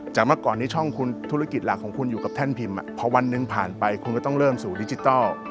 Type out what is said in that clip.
เมื่อก่อนนี้ช่องคุณธุรกิจหลักของคุณอยู่กับแท่นพิมพ์พอวันหนึ่งผ่านไปคุณก็ต้องเริ่มสู่ดิจิทัล